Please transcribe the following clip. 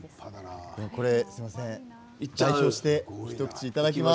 すみません、代表して一口いただきます。